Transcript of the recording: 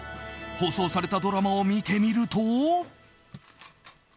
放送されたドラマを見てみると。